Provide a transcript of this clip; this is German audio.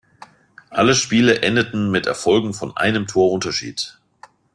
Alle Spiele endeten mit Erfolgen von einem Tor Unterschied.